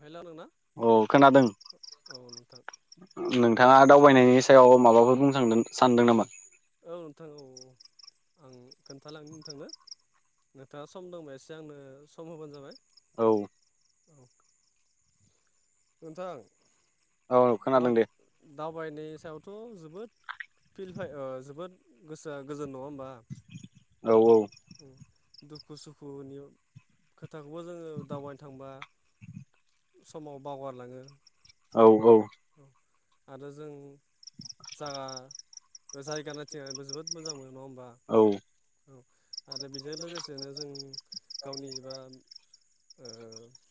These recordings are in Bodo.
हेल' नोंना औ खोनादों औ नोंथां नोंथाङा दावबायनायनि सायाव माबाफोर बुंनो सानदों नामा औ नोंथां औ आं खोन्थालांनो नोंथांनो नोंथाङा सम दंबा एसे आंनो सम होबानो जाबाय औ औ नोंथां औ दा खोनादों दे दाबबायनायनि सायाव थ' जोबोद फिलफाइ जोबोद गोसो गोजोन नङा होमबा औ दुखु सुखुनि खोथाखौबो जोङो दावबायनो थांबा समाव बावगारलाङो औ औ आरो जों जागा जायगा नायथिंनानैबो जोबोद मोजां मोनो नङा हमबा औ औ आरो बेजों लोगोसेनो जों गावनि एबा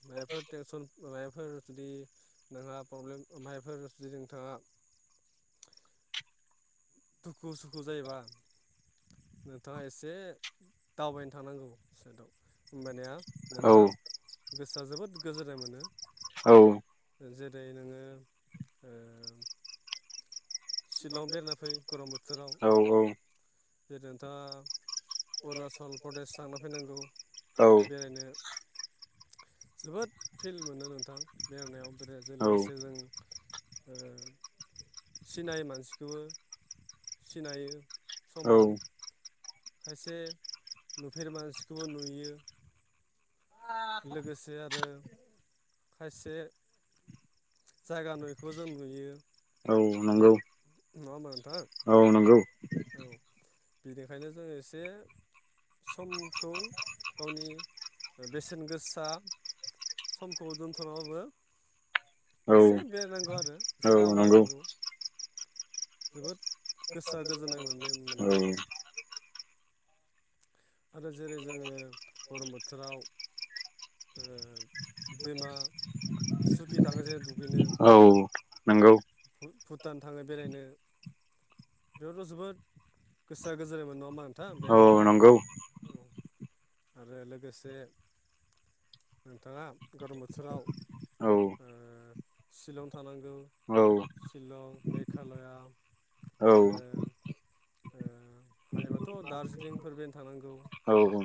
मायोबाफोर थेनसन जुदि नोंहा फ्रब्लेमफोर जुदि नोंथाङा सुखु सुखु जायोबा नोंथाङा एसे दावबायनो थांनांगौ साइदआव होमबानिया औ नोंहा गोसोआ जोबोद गोजोन्नाय मोनो औ जेरै नोङो सिलंआव बेरना फै गरम बोथोराव नोंथां अरुणचल प्रदेश थांना फैनांगौ औ बेरायनो जोबोद फिल मोनो नोंथां बेरायनायाव बेरायनायजों लोगोसे जों सिनायि मानसिखौबो सिनायो औ समामाव खायसे नुफेर मानसिखौबो नुयो लोगोसे आरो खायसे जायगा नुयैखौ जों नुयो औ नंगौ नङा होमबा नोंथां औ नंगौ बिनिखायनो जोङो एसे समखौ गावनि बेसेन गोसा समखौ दोनथ'नाबाबो औ एसे बेरायनांगौ आरो एसे औ नंगौ दावबायनांगौ जोबोद गोसोआ गोजोननाय मोनदों औ मोनां नंगौ आरो जेरै जोङो गरम बोथोराव ओ दैमा सुखि थाङो जे दु औ नंगौ भुटान थाङो बेरायनो बेयावथ' जोबोद गोसोआ गोजोनाय मोनो नङा होमबा नोंथां औ औ बेरायनो थांबा नंगौ औ आरो लोगोसे नोंथाङा गरम बोथोराव ओ सिलं थानांगौ शिलं मेघालया औ आरो ओ हायोबाथ' दार्जिलिंफोर बेरायनो थांनांगौ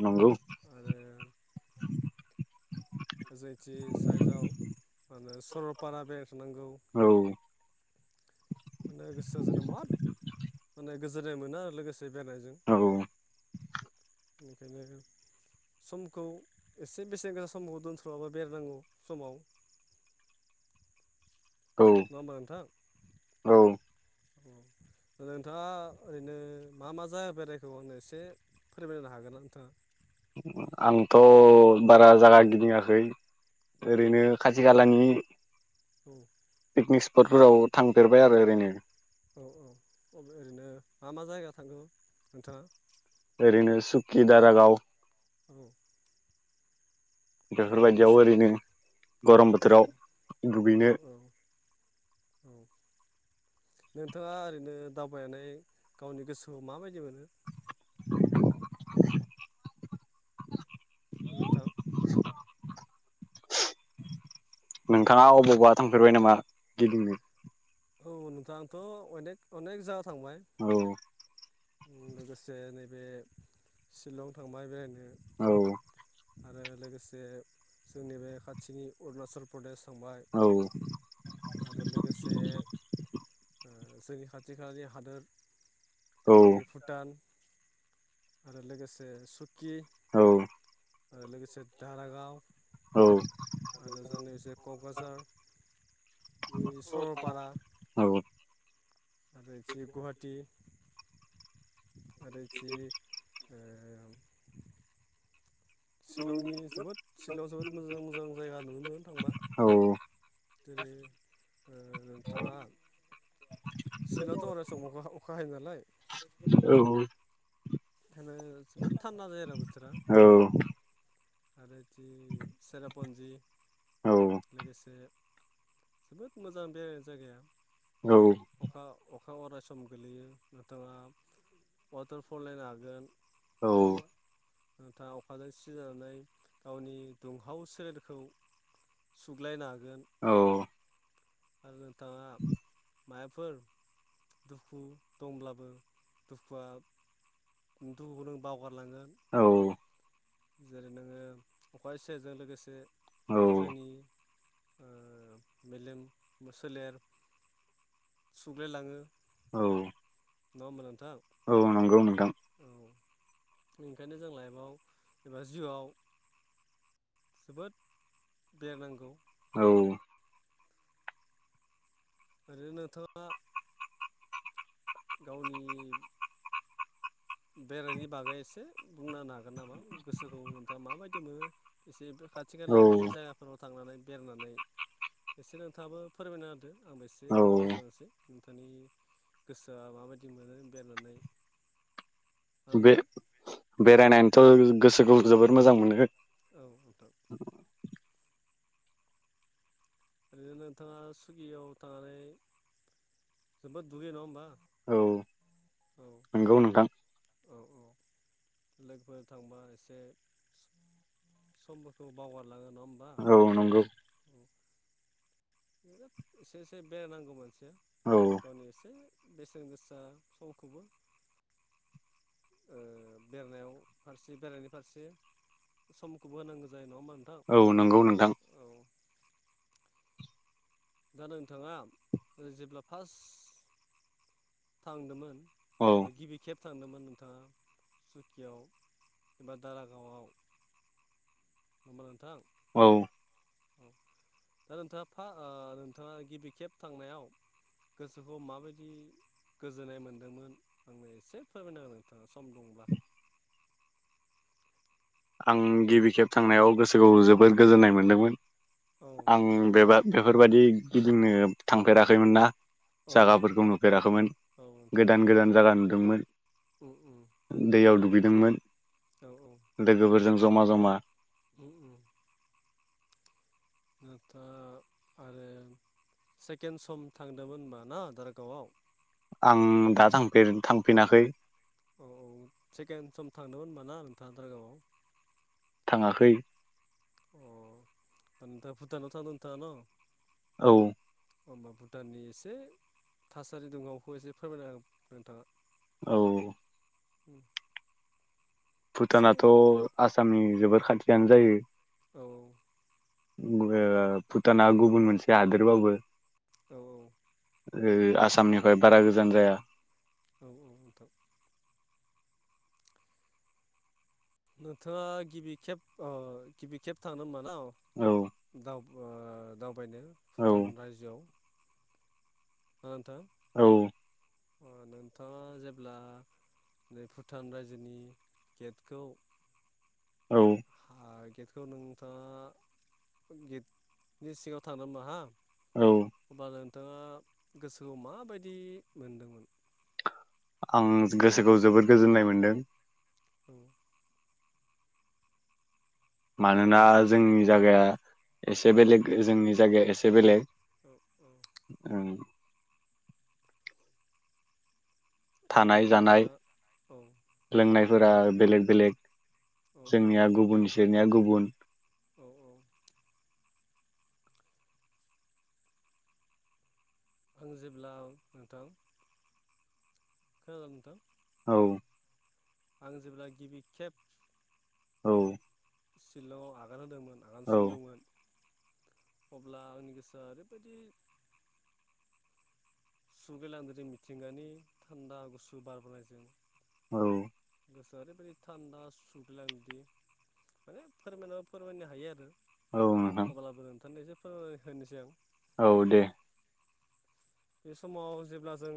नंगौ आरो जोंथि साइजाव माने सरलपारा बेरायनो थांनांगौ [inaudible] औ माने गोसोआव जोंनो मा माने गोजोननाय मोनो आरो लोगोसे बेरायनायजों बेनिखायनो समखौ एसे बेसेन गोसा समखौ दोनथ'नाबो बेरायनांगौ समाव [inaudible] औ नङा होमबा नोंथां औ औ नोंथाङा ओरैनो मा मा जायगा बेरायखो आंनो एसे फोरमायनो हा गोनना नोंथाङा आंथ' बारा जायगा गिदिङाखै औ ओरैनो खाथि खालानि औ पिकनिक स्पटफोराव थां औ औ अ ओरैनो मा मा जायगा थांखो नोंथाङा ओरैनो सुक्कि दारागाव औ आरो बेफोरबायदियाव लोगोसे ओरैनो औ गरम औ बोथोराव औ दुगैनो औ औ नोंथाङा ओरैनो दावबायनानै गावनि गोसोआव माबायदि मोनो नोंथां [inaudible] नोंथाङा अबावबा थांफेरबाय नामा गिदिंनो औ नोंथांथ' अनेक अनेक जागा थांबाय औ लोगोसे नैबे शिलं थांबाय बेरायनो औ आरो लोगोसे जोंनि बे खाथिनि अरुणाचल प्रदेश थांबाय औ आरो लोगोसे जोंनि खाथि खालानि हादोर नि भुटान आरो लोगोसे सुख औ आरो लोगोसे लोगोसे दधारागाव औ आरो जोंनि जे क'क्राझार बे सरलपारा औ आरो गुवाहाटि आरो जि शिलंनि जोबोद शिलंआव जोबोद मोजां मोजां जायगा नुनो मोनो थांबा औ जेरै नोंथाङा सिलंआवथ' अनेे सम अखा हायो नालाय औ बेनो जोबोद थान्दा जायो आरो बोथोरा आरो जि सेरापन्जि लोगोसे जोबोद मोजां बेराय जायगाया अखा अखा न अरायसम गोलैयो नोंथाङा वाटारफुल नायनो हागोन औ थानदा अखाजों सि जानानै गावनि दुंहाव सोलेरखौ सुग्लायनो हागोन औ आरो न माबाफोर दुखु दंब्लाबो दुखुआ दुखुखौ नों बावगारलांगोन औ जेरै नोङो अखा इसेजों लोगोसे औ जोंनि मेलेम सोलेर सुग्लायलाङो औ नङा होनबा औ नंगौ नोंथां बेनिखायनो जों लाइफआव एबा जिउआव जोबोद बेरायनांगौ औ ओरैनोथ' गावनि बेरायनि बागै एसे बुंलां हागोन नामा गोसोखौ नोंथाङा माबायदि मोनो एसे खाथि औ खालानि जायगाफोराव थांनानै बेरायनानै एसे नोंथाङाबो फोरमायनो होदो आंबो एसे औ खोनासंलांनोसै नोंथां बिनि गोसोआ माबायदि मोनो बेरायनानै ना बे नोंथां बेरायनानैथ' गोसोखौ जोबोद मोजां मोनो औ नोंथां ओरैनो नोंथाङा सुगियाव थांनानै जोबोद दुगैयो नङा हबा औ नंगौ नोंथां औ औ लोगोफोर थांबा एसे समफोरखौ बावगार लाङो नङा होमबा औ नंगौ बिराद एसे एसे बेरायनांगौ मोनसे औ गावनि एसे बेसेन गोसा समखौबो बेरायनायाव फारसे बेरायनायनि फारसे समखौबो होनांगौ जायो नङा होनबा औ नंगौ नोंथां दा नोंथाङा जेब्ला फार्स्ट थांदोंमोन औ ओ गिबि खेब थांदोंमोन नोंथाङा सुकियाव एबा दारागावआव होनबा नोंथां औ औ दा नोंथाङा फा नोंथाङा गिबि खेब थांनायाव गोसोखौ माबायदि गोजोननाय मोन्दोंमोन आंनो एसे फोरमायनांगौ नोंथांङा सम दंब्ला आं गिबि खेब थांनायाव गोसोखौ जोबोद गोजोननाय मोनदोंमोन औ आं बेबा बेफोरबायादि गिदिंनो थांफेराखैमोन ना औ औ जायागाफोरखौ नुफेराखैमोन औ नोंथां गोदान गोदान जायगा नुदोंमोन उम - उम नुदोंमोन औ - औ लोगोफोरजों जमा जमा उम - उम नाथाय आरो सेकेणड सम थांदोंमोन होनबा ना दारगावआव आं दा थां थांफिनाखै औ औ सेकेणड सम थांदोंमोन होनब ना नोंथांङा दारगावआव थाङाखै अ नोंथां भुटान [unintelligible] नोंथांङा न औ होनबा भुटाननि एसे थासारि दुंहावखौ एसे फोरमायना नोंथांङा औ उम भुटानाथ' आसामनि जोबोर खाथियानो जायो औ भुटाना गुबुन मोनसे हादोरबाबो औ - औ आसामनिफ्राय बारा गोजान जाया औ - औ नोंथां नोंथांङा गिबि खेब गिबि खेब थांनो होनबा ना औ दा दावबायनो औ भुटान रायजोआव ओ नोंथां औ अ नोंथांङा जेब्ला नै भुटान रायजोनि गेटखौ औ हा गेटखौ नोंथांङा गेटनि सिंङाव थांदों नामा हा औ होनब्लााल नोंथांङा गोसोखौ माबायदि मोनदोंमोन आं गोसोखौ जोबोद गोजोननाय मोनदों औ मानोना जोंनि जायगाया एसे बेलेग जोंनि जायगाया एसे बेलेग औ औ औ आरो थानाय जानाय नोंथाङा औ औ लोंनायफोरा बेलेग बेलेग जोंनिया गुबुन सेरनिया गुबुन औ औ आं जेब्ला नोंथां खोनादों नोंथां औ आं जेब्ला गिबि खेब औ सिशलंआव आगान होदोंमोन आगान औ सुरदोंमोन अब्ला आंनि गोसोआ ओरैबायदि सुगैलाय लांदोंदि मिथिंगानि थान्दा गुसु बारबोनायजों औ गोसोआ ओरैबायाददि थान्दा सुगलांदि माने फोरमायनाबा फोरमायनो हायो आरो औ नोंथां थारनायसोफोर होनोसै आं औ दे बे समाव जेब्ला जों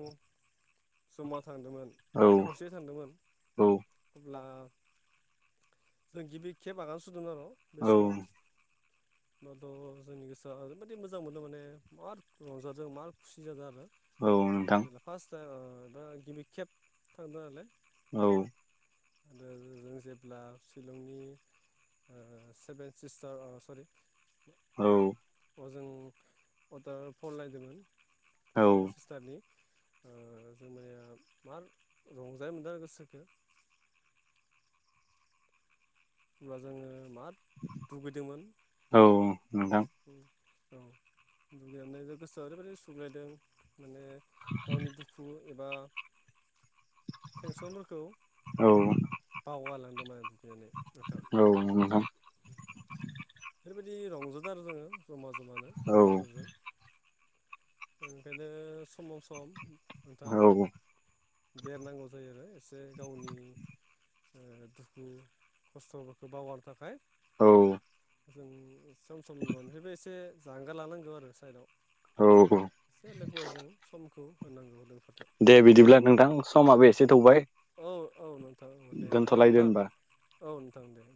जमा थांदोंमोन औ खौसेयै थांदोंमोन औ अब्ला जों गिबि खेब बागान सुदों आरो बे औ समाव होमबाथ' जोंनि गोसोआ ओरैबायाददि मोजां मोनो माने मार रंजादों मार खुसि जादों आरो औ नोंथां औ गिबि खेब थांदोंलाय औ आरो जों जेब्ला शिलंनि सेभेन ससटार सरि औ जों अवाटार फल लायदोंमोन औ सेभेन सिस्टारनि जोंनिया मा रंजाय मोनदों गोसोखो होनोमब्ला जोङो माद दुगैदोंमोन औ नोंथां औ दुगैनायजों गोसोआव ओरैबायदि सुग्लायदों माने गावनि दुखु एबा टेंसनफोरखौ औ बावगारलांदोंमोन बुग्नानै औ बेफोरबायदि रंजादों आरो जोङो जमा जमानो औ लोगोफोरजों ओंखायनो समाव सम नोंथां औ बेरनांगौ जायो आरो एसे गावनि दुखु खस्थ'फोरखौ बावगारनो थाखाय औ जों सम सम न'निफ्रायबो एसे जांगार लानांगौ आरो साइदाव औ एसे लोगोफोरजों समखौ होनांगौ लोगो दे बिदिब्ला नोंथां समाबो एसे थौबाय औ औ नोंथां औ दे होनबा ना दोनथ'लायदो नोंथां होनबा औ नोंथां दे औ